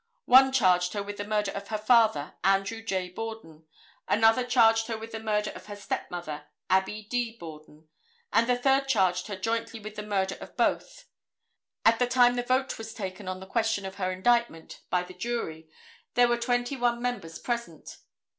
One charged her with the murder of her father, Andrew J. Borden, another charged her with the murder of her stepmother, Abbie D. Borden, and the third charged her jointly with the murder of both. At the time the vote was taken on the question of her indictment by the jury there were twenty one members present.